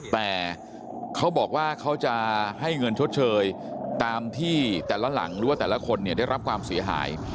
แต่เขาบอกว่าเขาจะให้เงินชดเชยตามที่แต่ละหลังหรือว่าแต่ละคนเนี่ยได้รับความเสียหาย